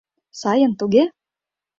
— Сайын, туге?